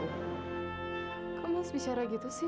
kok mau sebesarnya gitu sih